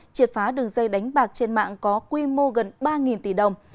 triệt phá đường dây đánh bạc trên mạng có quy mô gần ba tỷ đồng